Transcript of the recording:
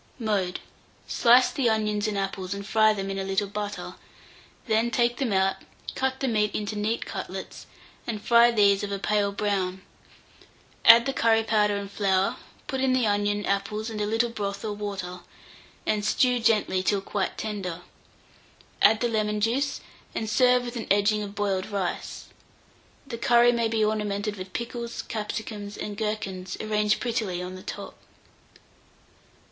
Mode. Slice the onions and apples, and fry them in a little butter; then take them out, cut the meat into neat cutlets, and fry these of a pale brown; add the curry powder and flour, put in the onion, apples, and a little broth or water, and stew gently till quite tender; add the lemon juice, and serve with an edging of boiled rice. The curry may be ornamented with pickles, capsicums, and gherkins arranged prettily on the top.